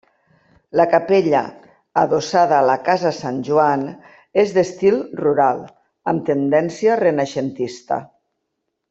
La capella adossada a la casa Sant Joan és d'estil rural, amb tendència renaixentista.